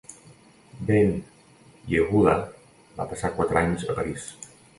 Ben-Yehuda va passar quatre anys a París.